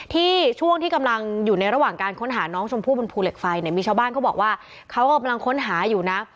ช่วงที่กำลังอยู่ในระหว่างการค้นหาน้องชมพู่บนภูเหล็กไฟเนี่ยมีชาวบ้านเขาบอกว่าเขากำลังค้นหาอยู่นะ